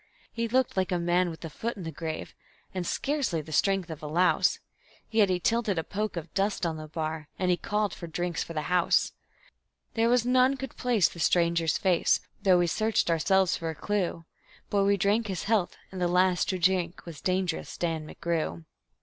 He looked like a man with a foot in the grave and scarcely the strength of a louse, Yet he tilted a poke of dust on the bar, and he called for drinks for the house. There was none could place the stranger's face, though we searched ourselves for a clue; But we drank his health, and the last to drink was Dangerous Dan McGrew.